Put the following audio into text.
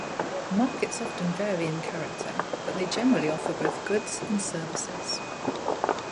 Markets often vary in character, but they generally offer both goods and services.